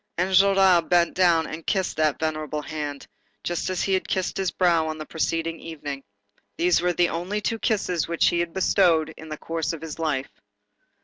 Enjolras bent down and kissed that venerable hand, just as he had kissed his brow on the preceding evening. These were the only two kisses which he had bestowed in the course of his life.